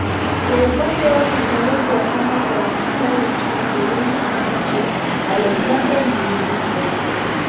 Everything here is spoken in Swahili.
kwa upande wake kiongozi wa chama cha wanahabari nchini burundi ibichi alexander niyubiko